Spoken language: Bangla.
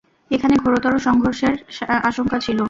এখানে ঘোরতর সংঘর্ষের আশঙ্কা ছিল।